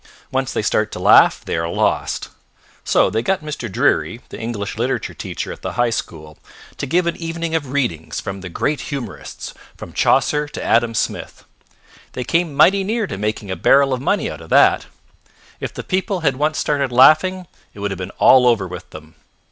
Once they start to laugh they are lost. So they got Mr. Dreery, the English Literature teacher at the high school, to give an evening of readings from the Great Humorists from Chaucer to Adam Smith. They came mighty near to making a barrel of money out of that. If the people had once started laughing it would have been all over with them.